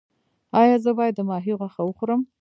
ایا زه باید د ماهي غوښه وخورم؟